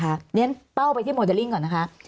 เพราะฉะนั้นเป้าไปที่โมเดลลิ่งก่อนนะคะ